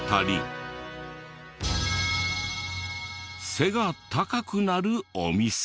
背が高くなるお店も。